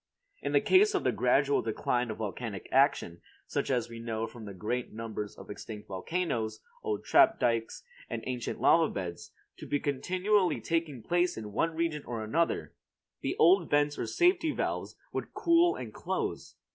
In case of the gradual decline of volcanic action, such as we know from the great numbers of extinct volcanoes, old trap dykes, and ancient lava beds, to be continually taking place in one region or another, the old vents or safety valves would cool and close.